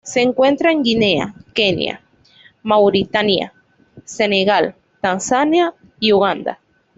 Se encuentra en Guinea, Kenia, Mauritania, Senegal, Tanzania y Uganda.